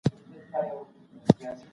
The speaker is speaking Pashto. تاسو وویل چي ساده ژبه کارول ډېر ګټور دي.